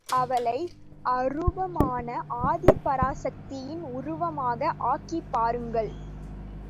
அவளை, அரூபமான ஆதிபராசக்தியின் உருவமாக ஆக்கிப் பாருங்கள்.